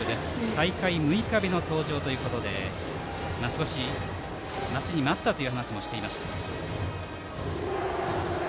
大会６日目の登場ということで待ちに待ったという話もしていました。